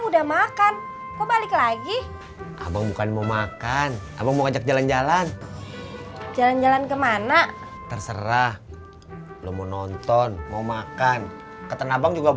daratnya kayaknya kayak sumpah